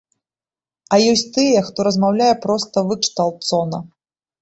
А ёсць тыя, хто размаўляе проста выкшталцона!